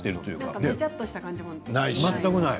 べちゃっとした感じは？